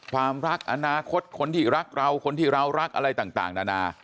ความรักอนาคตคนที่รักเราคนที่เรารักอะไรต่างนานา